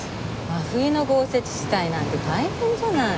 真冬の豪雪地帯なんて大変じゃない。